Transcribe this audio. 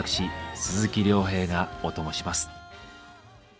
鈴木亮平がオトモします。